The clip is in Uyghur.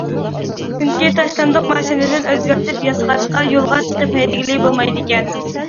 چۈنكى تاشلاندۇق ماشىنىدىن ئۆزگەرتىپ ياسىغاچقا، يولغا چىقىپ ھەيدىگىلى بولمايدىكەن.